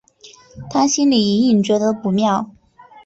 她心里隐隐觉得不妙